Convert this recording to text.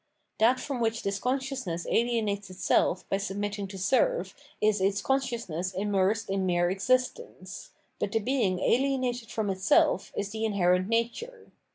That from which this con sciousness alienates itself by submitting to serve is its consciousness immersed in mere existence : but the being alienated from itself is the inherent nature.